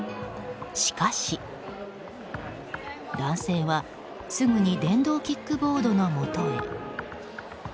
しかし、男性はすぐに電動キックボードのもとへ。